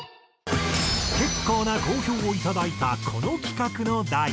結構な好評を頂いたこの企画の第２弾。